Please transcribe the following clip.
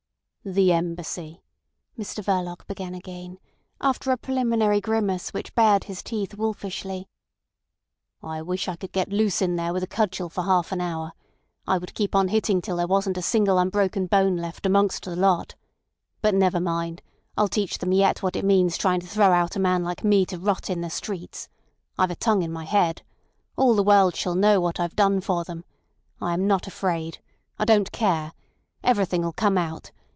"The Embassy," Mr Verloc began again, after a preliminary grimace which bared his teeth wolfishly. "I wish I could get loose in there with a cudgel for half an hour. I would keep on hitting till there wasn't a single unbroken bone left amongst the whole lot. But never mind, I'll teach them yet what it means trying to throw out a man like me to rot in the streets. I've a tongue in my head. All the world shall know what I've done for them. I am not afraid. I don't care. Everything'll come out.